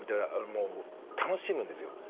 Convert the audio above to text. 楽しむんですよ。